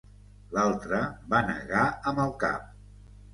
L'altre va negar amb el cap.